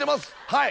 はい。